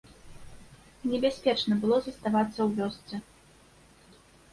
Небяспечна было заставацца ў вёсцы.